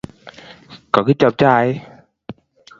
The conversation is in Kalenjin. kokichop chaik